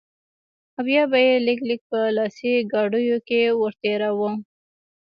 او بيا به يې لږ لږ په لاسي ګاډيو کښې ورتېراوه.